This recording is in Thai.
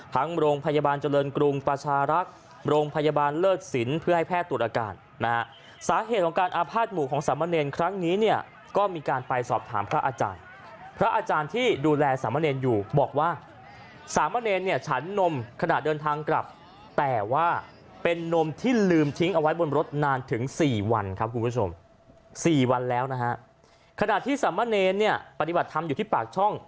ทั้งโรงพยาบาลเจริญกรุงประชารักษณ์โรงพยาบาลเลิศสินเพื่อให้แพทย์ตรวจอาการนะฮะสาเหตุของการอาภาษณ์หมู่ของสามเณรครั้งนี้เนี่ยก็มีการไปสอบถามพระอาจารย์พระอาจารย์ที่ดูแลสามเณรอยู่บอกว่าสามเณรเนี่ยฉันนมขนาดเดินทางกลับแต่ว่าเป็นนมที่ลืมทิ้งเอาไว้บนรถนานถึง๔วันครับคุณผู้ช